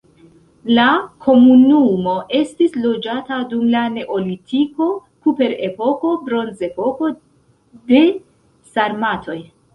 La komunumo estis loĝata dum la neolitiko, kuprepoko, bronzepoko, de sarmatoj.